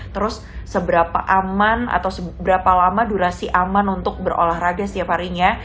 terus seberapa aman atau seberapa lama durasi aman untuk berolahraga setiap harinya